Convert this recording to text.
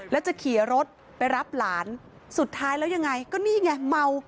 แล้วจะขี่รถไปรับหลานสุดท้ายแล้วยังไงก็นี่ไงเมา